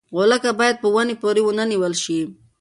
غولکه باید په ونې پورې ونه نیول شي.